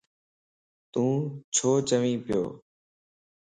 تو ڇو چوين پيو.